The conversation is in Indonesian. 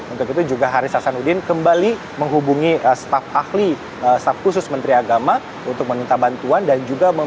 untuk itu juga haris hasan udin kembali menghubungi staff ahli staff khusus menteri agama untuk meminta bantuan